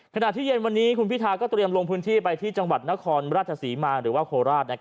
ขนาดที่เย็นวันนี้คุณพิทาห์ก็ตรวจลงพื้นที่ไปที่จังหวัดนครราชสิมาหรือโคราช